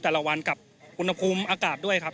แต่ละวันกับอุณหภูมิอากาศด้วยครับ